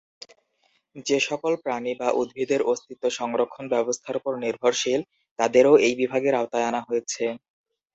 যে সকল প্রাণী বা উদ্ভিদের অস্তিত্ব সংরক্ষণ ব্যবস্থার উপর নির্ভরশীল, তাদেরও এই বিভাগের আওতায় আনা হয়েছে।